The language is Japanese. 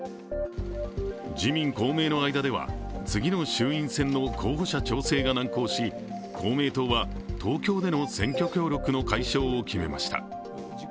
自民・公明の間では次の衆院選の候補者調整が難航し公明党は東京での選挙協力の解消を決めました。